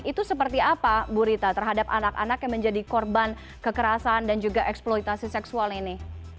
itu seperti apa bu rita terhadap anak anak yang menjadi korban kekerasan dan juga eksploitasi seksual ini